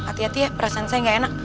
hati hati ya perasaan saya gak enak